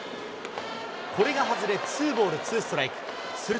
これが外れ、ツーボールツーストライク。